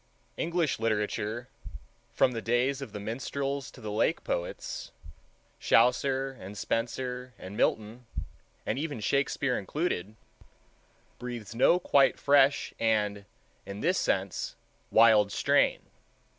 English literature, from the days of the minstrels to the Lake Poets—Chaucer and Spenser and Milton, and even Shakespeare included—breathes no quite fresh and in this sense wild strain.